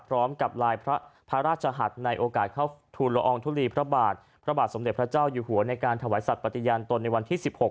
พร้อมกับลายพระราชหัสในโอกาสเข้าทูลละอองทุลีพระบาทพระบาทสมเด็จพระเจ้าอยู่หัวในการถวายสัตว์ปฏิญาณตนในวันที่๑๖